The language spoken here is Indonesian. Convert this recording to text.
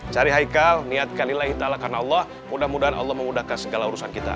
cari haikal niatkan lillahi ta'ala karena allah mudah mudahan allah memudahkan segala urusan kita